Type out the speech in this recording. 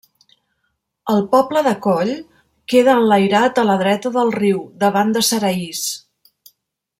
El poble de Cóll queda enlairat a la dreta del riu, davant de Saraís.